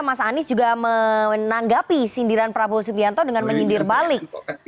mas anies juga menanggapi sindiran prabowo subianto dengan menyindir balik